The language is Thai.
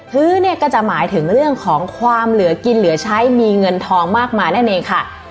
ื้อเนี่ยก็จะหมายถึงเรื่องของความเหลือกินเหลือใช้มีเงินทองมากมายนั่นเองค่ะ